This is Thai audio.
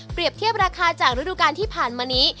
เทียบราคาจากฤดูการที่ผ่านมานี้